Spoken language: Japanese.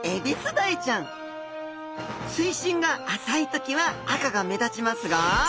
水深が浅い時は赤が目立ちますが。